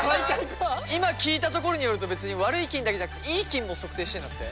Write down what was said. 今聞いたところによると別に悪い菌だけじゃなくていい菌も測定してんだって。